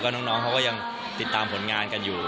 น้องเขาก็ยังติดตามผลงานกันอยู่